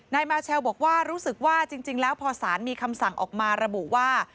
นายมาเชลบอกว่ารู้สึกว่าจริงแล้วพอสารมีคำสั่งออกมาระบุว่า